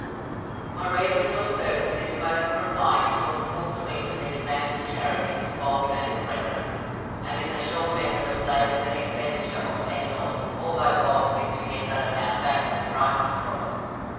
My readers will observe that this mode of replying affords full swing to the expansive charities of Boult and his brethren, and is a sure method of saving the expenditure of $10, although Boult is to get that amount back when the prize is drawn.